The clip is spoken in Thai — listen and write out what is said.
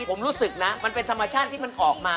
ผมรู้สึกนะมันเป็นธรรมชาติที่มันออกมา